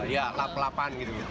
ya lap lapan gitu